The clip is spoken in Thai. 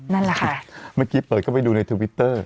นั่นแหละค่ะเมื่อกี้เปิดเข้าไปดูในทวิตเตอร์